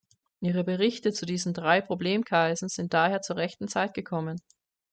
Ihre Berichte zu diesen drei Problemkreisen sind daher zur rechten Zeit gekommen.